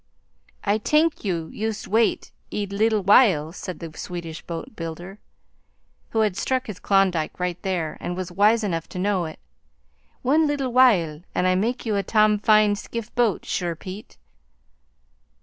"Ay tank you yust wait one leedle w'ile," said the Swedish boat builder, who had struck his Klondike right there and was wise enough to know it "one leedle w'ile und I make you a tam fine skiff boat, sure Pete."